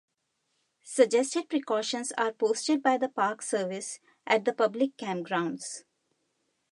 Suggested precautions are posted by the Park Service at the public campgrounds.